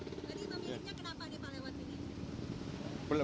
jadi pemiliknya kenapa di lewat ini